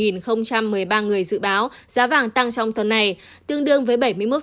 ba người dự báo giá vàng tăng trong tuần này tương đương với bảy mươi một